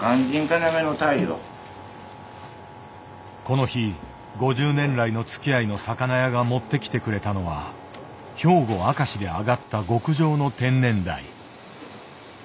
この日５０年来のつきあいの魚屋が持ってきてくれたのは兵庫明石で揚がった極上の天然ダイ。